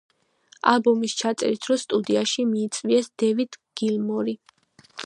ალბომის ჩაწერის დროს სტუდიაში მიიწვიეს დევიდ გილმორი.